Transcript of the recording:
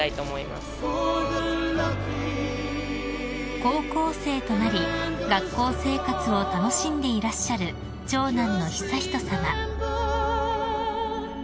［高校生となり学校生活を楽しんでいらっしゃる長男の悠仁さま］